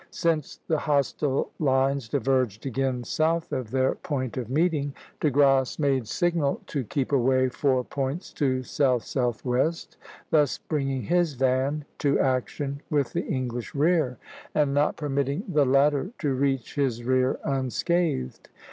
Since the hostile lines diverged again south of their point of meeting, De Grasse made signal to keep away four points to south southwest, thus bringing his van (B, a) to action with the English rear, and not permitting the latter to reach his rear unscathed.